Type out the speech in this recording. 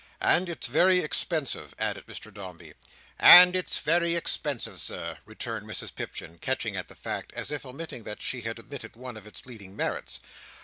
"And it's very expensive," added Mr Dombey. "And it's very expensive, Sir," returned Mrs Pipchin, catching at the fact, as if in omitting that, she had omitted one of its leading merits.